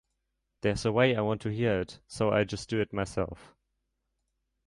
There's a way I want to hear it, so I just do it myself.